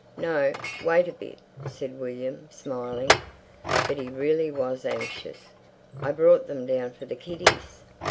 "No, wait a bit," said William, smiling. But he really was anxious. "I brought them down for the kiddies."